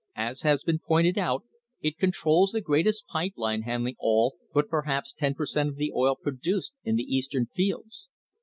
As has been pointed out, it controls the great pipe line handling all but perhaps ten per cent, of the oil produced in the Eastern fields.